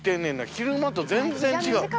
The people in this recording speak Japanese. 昼間と全然違う。